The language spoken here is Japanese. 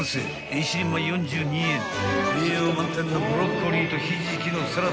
［１人前４２円栄養満点のブロッコリーとひじきのサラダが完成］